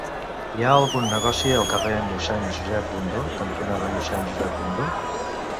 Hi ha algun negoci al carrer Mossèn Josep Bundó cantonada Mossèn Josep Bundó?